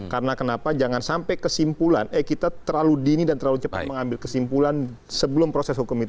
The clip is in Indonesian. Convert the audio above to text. karena kenapa jangan sampai kesimpulan eh kita terlalu dini dan terlalu cepat mengambil kesimpulan sebelum proses hukum itu